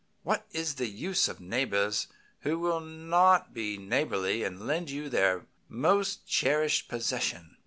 What is the use of neighbors who will not be neighborly and lend you their most cherished possession?"